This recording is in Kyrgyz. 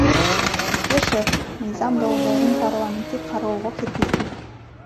Бекешев мыйзам долбоорун парламентке кароого киргизди.